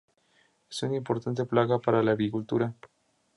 Es una importante plaga para la agricultura.